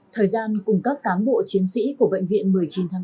thời gian cùng các cán bộ chiến sĩ của bệnh viện một mươi chín tháng tám